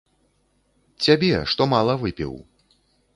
Цябе, што мала выпіў.